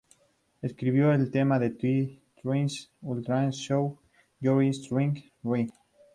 Escribió el tema de The Tracey Ullman Show "You're Thinking Right".